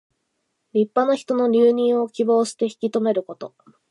立派な人の留任を希望して引き留めること。